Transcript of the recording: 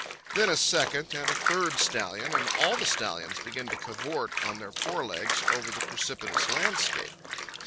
Then a second and a third stallion, and all the stallions, begin to cavort on their forelegs over the precipitous landscape.